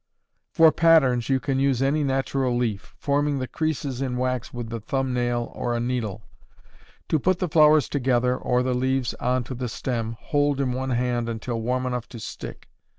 For patterns you can use any natural leaf, forming the creases in wax with the thumb nail or a needle; to put the flowers together or the leaves on to the stem, hold in the hand until warm enough to stick.